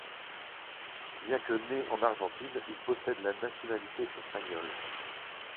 Bien que né en Argentine, il possède la nationalité espagnole.